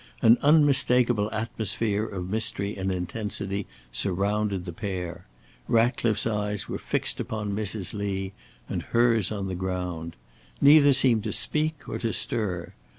An unmistakeable atmosphere of mystery and intensity surrounded the pair. Ratcliffe's eyes were fixed upon Mrs. Lee, and hers on the ground. Neither seemed to speak or to stir.